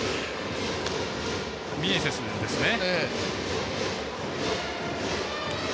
ミエセスですね。